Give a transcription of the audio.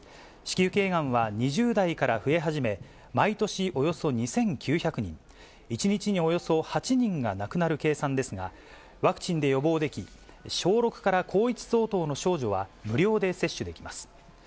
子宮けいがんは２０代から増え始め、毎年およそ２９００人、１日におよそ８人が亡くなる計算ですが、ワクチンで予防でき、小６から高１相当の少女は、無料で接種できます。